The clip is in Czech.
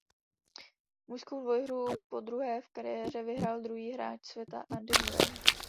Mužskou dvouhru podruhé v kariéře vyhrál druhý hráč světa Andy Murray.